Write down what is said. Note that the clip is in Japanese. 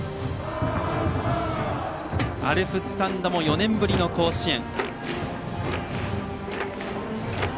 アルプススタンドも４年ぶりの甲子園。